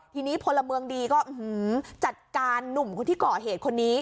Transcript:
ทีนี้พลเมืองดีก็จัดการหนุ่มคนที่ก่อเหตุคนนี้